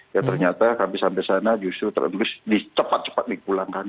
ya ternyata kami sampai sana justru terus cepat cepat di pulangkan